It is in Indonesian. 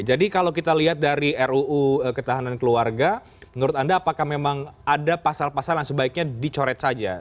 jadi kalau kita lihat dari ruu ketahanan keluarga menurut anda apakah memang ada pasal pasal yang sebaiknya dicoret saja